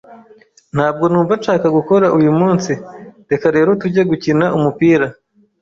Ntabwo numva nshaka gukora uyumunsi, reka rero tujye gukina umupira.